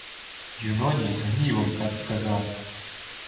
Юноні з гнівом так сказав: